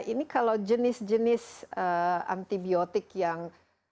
ini kalau jenis jenis antibiotik yang